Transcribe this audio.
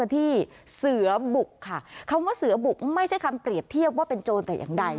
ที่เสือบุกค่ะคำว่าเสือบุกไม่ใช่คำเปรียบเทียบว่าเป็นโจรแต่อย่างใด